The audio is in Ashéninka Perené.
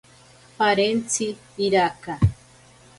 Parentzi iraka.